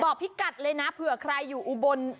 พี่กัดเลยนะเผื่อใครอยู่อุบล